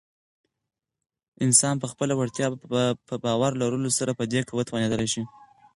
انسان په خپله وړتیا په باور لرلو سره په دې توانیدلی شی